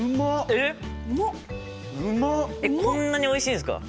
えっこんなにおいしいんすか？